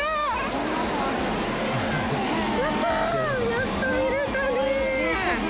やっと見れたね！